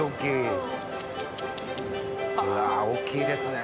うわ大っきいですね。